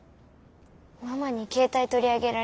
ママに携帯取り上げられて。